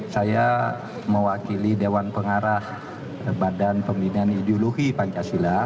saya mewakili dewan pengarah badan pembinaan ideologi pancasila